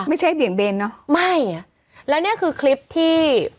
ไม่ใช่เดี่ยงเบนเนอะไม่แล้วเนี้ยคือคลิปที่